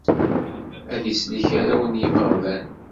Ad isellek arraw n yimeɣban.